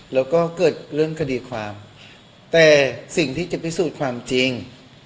แล้วก็เกิดเรื่องคดีความแต่สิ่งที่จะพิสูจน์ความจริง